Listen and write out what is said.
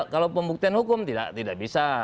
kalau pembuktian hukum tidak bisa